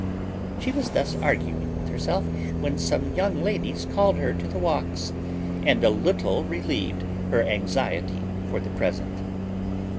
She was thus arguing with herself, when some young ladies called her to the walks, and a little relieved her anxiety for the present.